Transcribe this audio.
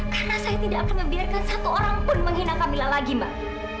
karena saya tidak akan membiarkan satu orang pun menghina kamila lagi mbak